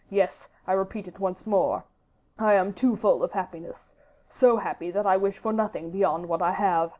Yes! I repeat it once more, I am too full of happiness! so happy that I wish for nothing beyond what I have...